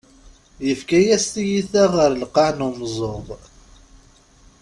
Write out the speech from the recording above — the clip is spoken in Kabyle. Yefka-yas tiyita ɣer lqaɛ n umeẓẓuɣ.